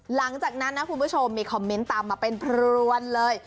หลังจากนั้นนะคุณผู้ชมมีคอมเมนต์ตามมาเป็นพรวนเลย